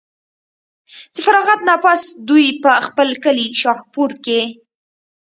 د فراغت نه پس دوي پۀ خپل کلي شاهپور کښې